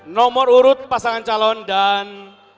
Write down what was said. nomor urut pasangan calon dan